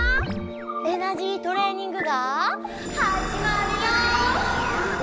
エナジートレーニングがはじまるよ！